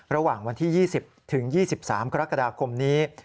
ระหว่างวันที่๒๐ถึง๒๓กรกฎาคมนี้